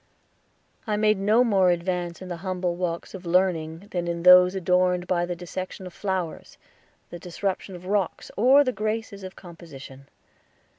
I made no more advance in the humble walks of learning than in those adorned by the dissection of flowers, the disruption of rocks, or the graces of composition.